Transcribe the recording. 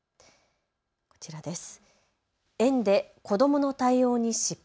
こちらです。